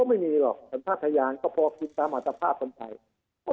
ไม่มีหรอกเห็นถ้าใครอย่างก็พอดึงตามอาจภาพต้องการ